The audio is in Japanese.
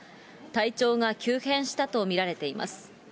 体調が急変したと見られています。